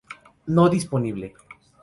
No Disponible